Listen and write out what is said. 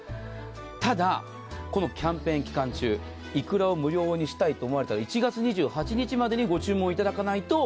ただ、このキャンペーン期間中いくらを無料にしたいと思われたら１月２８日までにご注文をいただかないと。